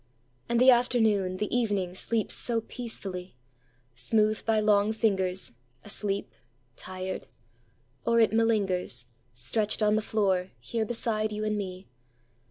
……..And the afternoon, the evening, sleeps so peacefully! Smoothed by long fingers, Asleep … tired … or it malingers, Stretched on the floor, here beside you and me.